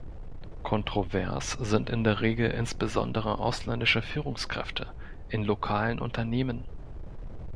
Kontrovers sind in der Regel insbesondere ausländische Führungskräfte in lokalen Unternehmen.